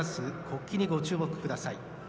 国旗にご注目ください。